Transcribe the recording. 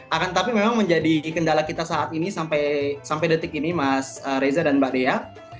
akan tetapi memang menjadi kendala kita saat ini sampai detik ini mas reza dan mbak dea